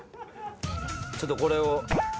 ちょっとこれを。